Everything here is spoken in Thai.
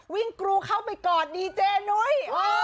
กรูเข้าไปกอดดีเจนุ้ย